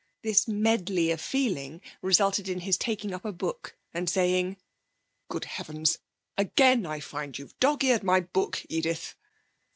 This medley of feeling resulted in his taking up a book and saying: 'Good heavens! Again I've found you've dog's eared my book, Edith!'